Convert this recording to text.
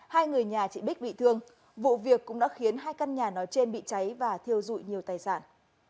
hai người nhà chị bích bị thương vụ việc cũng đã khiến hai căn nhà nói trên bị cháy và thiêu dụi nhiều tài sản